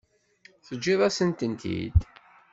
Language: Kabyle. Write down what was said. Teǧǧiḍ-asen-tent-id?